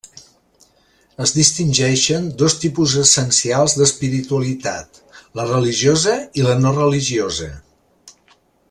Es distingeixen dos tipus essencials d'espiritualitat: la religiosa i la no religiosa.